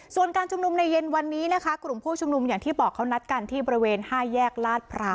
ส่วนการชุมนุมในเย็นวันนี้นะคะกลุ่มผู้ชุมนุมอย่างที่บอกเขานัดกันที่บริเวณ๕แยกลาดพร้าว